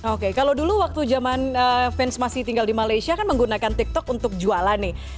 oke kalau dulu waktu zaman fans masih tinggal di malaysia kan menggunakan tiktok untuk jualan nih